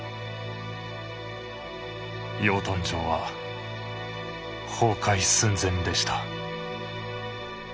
養豚場は崩壊寸前でした。